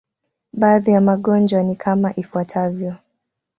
Baadhi ya magonjwa ni kama ifuatavyo.